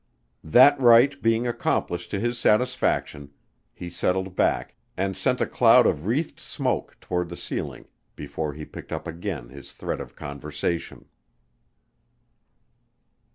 That rite being accomplished to his satisfaction, he settled back and sent a cloud of wreathed smoke toward the ceiling before he picked up again his thread of conversation.